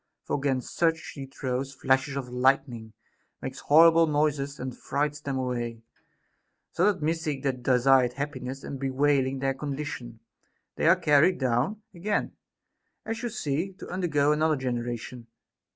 For against such she throws flashes of lightning, makes horrible noises, and frights them away ; so that, missing their desired happiness and bewailing their condition, they are carried down again (as you see) to undergo another generation.